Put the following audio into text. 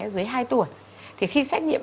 dưới hai tuổi thì khi xét nghiệm